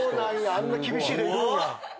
あんな厳しいのいるんや。